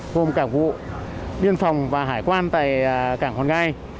gồm cảng vụ biên phòng và hải quan tại cảng hoàng ngai